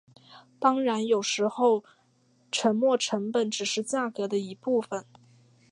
当然有时候沉没成本只是价格的一部分。